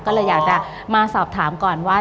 ก็เลยอยากจะมาสอบถามก่อนว่า